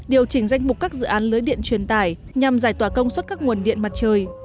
điều chỉnh danh mục các dự án lưới điện truyền tải nhằm giải tỏa công suất các nguồn điện mặt trời